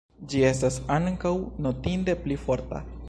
Ĝi estas ankaŭ notinde pli forta.